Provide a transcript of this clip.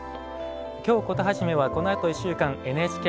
「京コトはじめ」はこのあと１週間ＮＨＫ